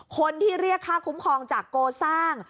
คนที่เรียกค่าคุ้มครองจากโกซ่า